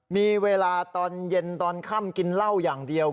มีเวลาตอนเย็นตอนค่ำกินเหล้าอย่างเดียว